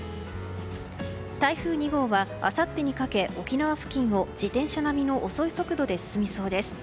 台風２号はあさってにかけ沖縄付近を自転車並みの遅い速度で進みそうです。